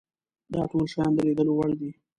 دا ټول شیان د لیدلو وړ دي.